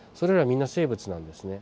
みんな生物なんですね。